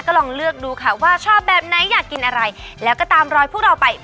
ก็ลองเลือกดูค่ะว่าชอบแบบไหนอยากกินอะไรแล้วก็ตามรอยพวกเราไป